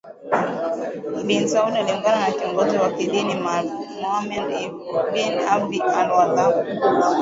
bin Saud aliungana na kiongozi wa kidini Muhammad ibn Abd alWahhab